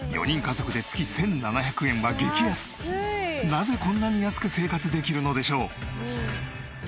なぜこんなに安く生活できるのでしょう？